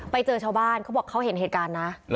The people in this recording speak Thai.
ไปเจอชาวบ้านเขาบอกเขาเห็นเหตุการณ์นะ